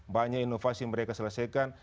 banyak inovasi mereka selesaikan